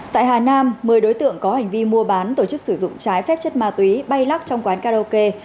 tại hà nam một mươi đối tượng có hành vi mua bán tổ chức sử dụng trái phép chất ma túy bay lắc trong quán karaoke